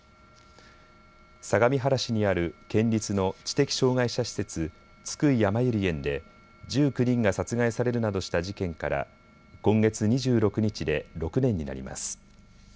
相模原市にある県立の知的障害者施設、津久井やまゆり園で１９人が殺害されるなどした事件から今月２６日で６年になります。